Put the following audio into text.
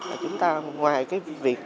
thứ ba là chúng ta ngoài cái việc